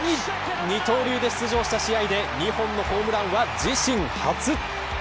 二刀流で出場した試合で２本のホームランは自身初。